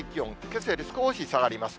けさより少し下がります。